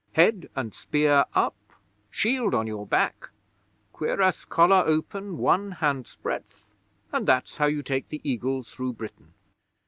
Head and spear up, shield on your back, cuirass collar open one hand's breadth and that's how you take the Eagles through Britain.'